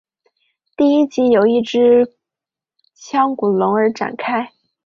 第一集由一只腔骨龙而展开。